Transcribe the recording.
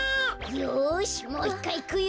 よしもう１かいいくよ！